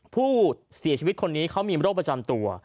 ผู้เสียชีวิตคนนี้เขามีโรคประจำตัว